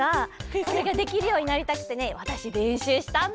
これができるようになりたくてねわたしれんしゅうしたんだ！